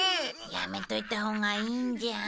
やめといたほうがいいんじゃ。